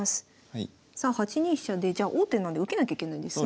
さあ８二飛車でじゃ王手なんで受けなきゃいけないんですね。